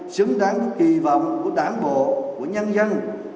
xứng đáng với kỳ vọng của đảng bộ của nhân dân